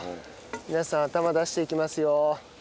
皆さん頭出していきますよ。